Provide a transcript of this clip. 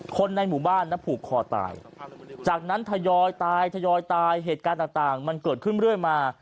คนในหมู่บ้านนะผูกคอตายจากนั้นทยอยตายทยอยตายเหตุการณ์ต่างมันเกิดขึ้นเรื่อยมา